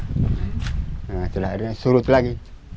setelah itu surut lagi